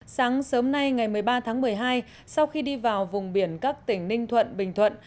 sáng sớm nay ngày một mươi ba tháng một mươi hai sau khi đi vào vùng biển các tỉnh ninh thuận bình thuận